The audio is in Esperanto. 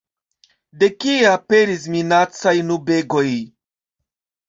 De kie aperis minacaj nubegoj?